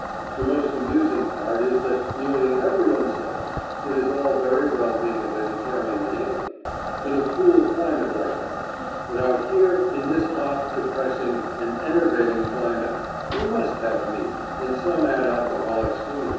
The most amusing part is that nearly everyone says, it is all very well being a vegetarian in England, in a cool climate like that, but out here in this hot, depressing, and enervating climate, you must have meat, and some add alcoholic stimulant."